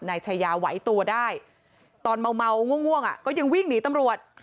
นายชายาไหวตัวได้ตอนเมาง่วงก็ยังวิ่งหนีตำรวจ